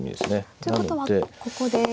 ということはここで。